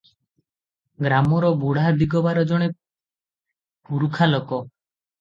ଗ୍ରାମର ବୁଢା ଦିଗବାର ଜଣେ ପୁରୁଖା ଲୋକ ।